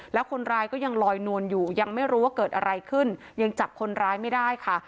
แล้วคนร้ายก็ยังลอยนวลอยู่ยังไม่รู้ว่าเกิดอะไรขึ้นยังจับคนร้ายไม่ได้ค่ะ